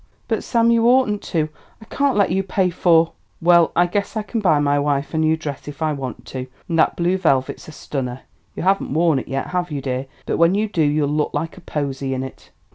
"But, Sam, you oughtn't to I can't let you pay for " "Well, I guess I can buy my wife a dress if I want to, and that blue velvet's a stunner. You haven't worn it yet, have you, dear? but when you do you'll look like a posy in it.